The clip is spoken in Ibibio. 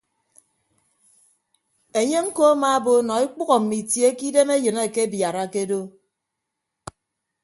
Enye ñko amaabo nọ ekpәho mme itie ke idem enyin akebiarake do.